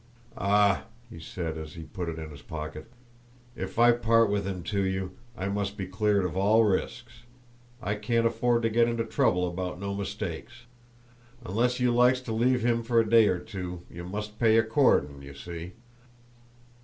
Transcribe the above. "Ah," he said, as he put it in his pocket, "if I part with him to you I must be cleared of all risks. I can't afford to get into trouble about no mistakes. Unless you likes to leave him for a day or two you must pay accordin', you see."